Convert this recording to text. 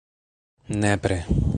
Nepre!